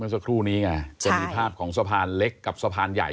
จะมีภาพของสะพานเล็กกับสะพานใหญ่